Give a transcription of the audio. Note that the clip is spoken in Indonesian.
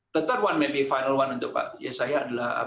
the third one maybe final one untuk pak yesaya adalah